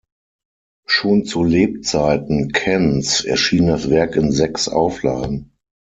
Schon zu Lebzeiten Kents erschien das Werk in sechs Auflagen.